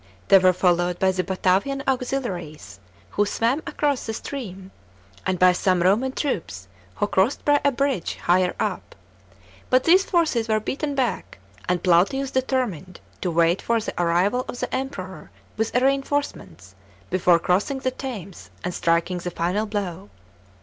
The)' were followed by the Batavian auxiliaries, who swam across the stream, and by some Roman troops who crossed by a bridge higher up ; but these forces were beaten back, and Plautius determined to wait for the arrival of the Emperor with reinforcements before crossing the Thames and striking the final blow.